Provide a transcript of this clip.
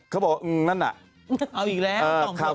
เขาบอกอืมนั่นน่ะ